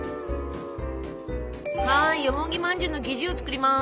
はいよもぎまんじゅうの生地を作ります。